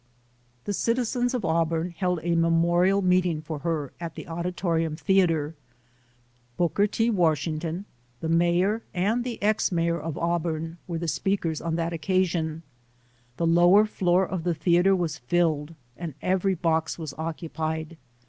The citizens of Auburn held a memorial meet ing for her at the Auditorium Theatre. Booker T. Washington, the mayor and the ex mayor of Auburn were the speakers on that occasion. The lower floor of the theatre was filled and every box was occupied.